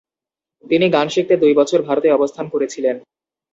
তিনি গান শিখতে দুই বছর ভারতে অবস্থান করেছিলেন।